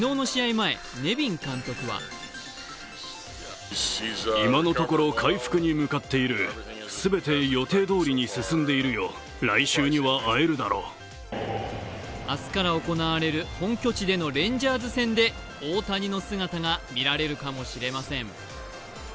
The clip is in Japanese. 前、ネビン監督は明日から行われる本拠地でのレンジャーズ戦で大谷の姿が見られるかもしれません。